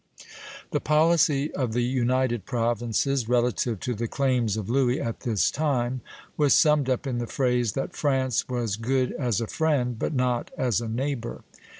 The policy of the United Provinces, relative to the claims of Louis at this time, was summed up in the phrase that "France was good as a friend, but not as a neighbor."